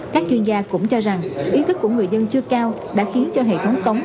các chuyên gia cũng cho rằng ý thức của người dân chưa cao đã khiến cho hệ thống cống